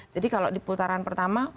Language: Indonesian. jadi kalau di putaran pertama